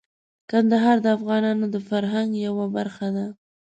کندهار د افغانانو د فرهنګ یوه برخه ده.